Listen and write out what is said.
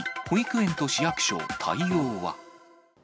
保育園と市役所、対応は？